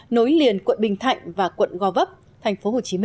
nối liền quận bình thạnh và quận gò vấp tp hcm